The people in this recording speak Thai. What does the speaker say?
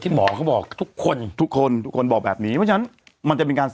ได้เหรอ